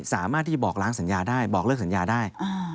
สามารถที่จะบอกล้างสัญญาได้บอกเลิกสัญญาได้